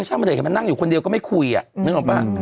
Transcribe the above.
ช่างมันจะเห็นมันนั่งอยู่คนเดียวก็ไม่คุยอ่ะ